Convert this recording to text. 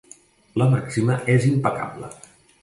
La màxima és impecable.